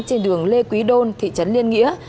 trên đường lê quý đôn thị trấn liên nghĩa